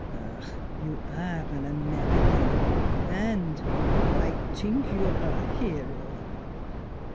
Ach ! You are an American, an' I t'ink you are a hero!